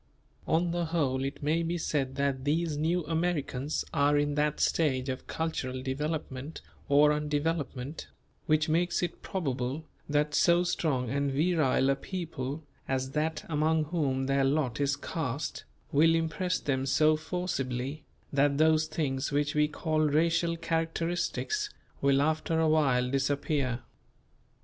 '" On the whole it may be said that these new Americans are in that stage of cultural development or undevelopment, which makes it probable that so strong and virile a people as that among whom their lot is cast, will impress them so forcibly, that those things which we call racial characteristics will after a while disappear.